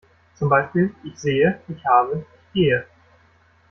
Zum Beispiel: Ich sehe, ich habe, ich gehe.